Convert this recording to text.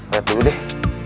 lihat dulu deh